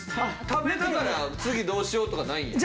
食べながら次どうしよう？とかないんや。